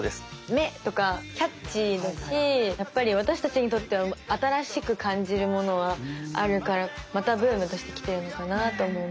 「めッ！」とかキャッチーだしやっぱり私たちにとっては新しく感じるものがあるからまたブームとして来てるのかなと思います。